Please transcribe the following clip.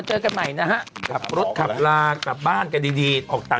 ตรงจบแล้วค่ะ